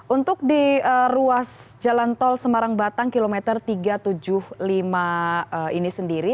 untuk di ruas jalan tol semarang batang kilometer tiga ratus tujuh puluh lima ini sendiri